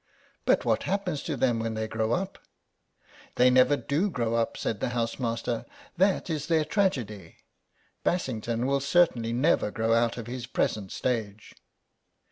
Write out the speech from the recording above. "But what happens to them when they grow up?" "They never do grow up," said the housemaster; "that is their tragedy. Bassington will certainly never grow out of his present stage."